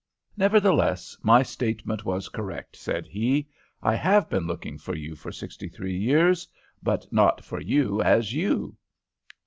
"'Nevertheless, my statement was correct,' said he. 'I have been looking for you for sixty three years, but not for you as you.'